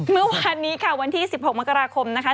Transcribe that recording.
เมื่อวานนี้ค่ะวันที่๑๖มกราคมนะคะ